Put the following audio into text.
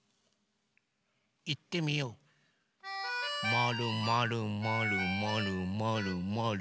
まるまるまるまるまるまる。